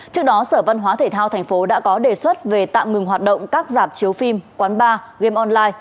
trước đó sở văn hóa thể thao tp hcm đã có đề xuất về tạm ngừng hoạt động các giảp chiếu phim quán bar game online